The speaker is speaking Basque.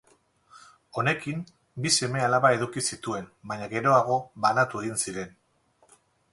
Honekin, bi seme-alaba eduki zituen baina geroago banatu egin ziren.